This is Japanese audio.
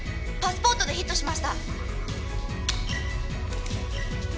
パスポートでヒットしました。